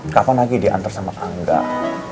kapan lagi diantar sama kakak